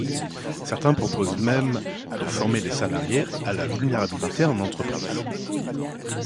Certains proposent même de former les salariés à la vulnérabilité en entreprise.